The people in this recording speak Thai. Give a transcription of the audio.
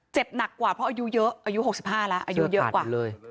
หนักกว่าเพราะอายุเยอะอายุ๖๕แล้วอายุเยอะกว่าเลย